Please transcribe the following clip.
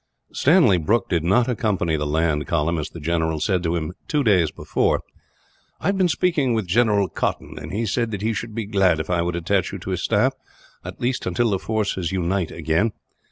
Stanley Brooke did not accompany the land column, as the general said to him, two days before: "I have been speaking with General Cotton, and he said that he should be glad if I would attach you to his staff, until the force unites again.